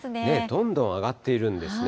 どんどん上がっているんですね。